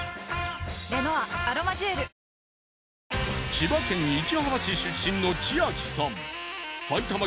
千葉県市原市出身の千秋さん。